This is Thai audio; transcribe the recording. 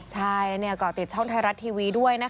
ใช่แล้วก็ติดช่องไทยรัฐทีวีด้วยนะคะ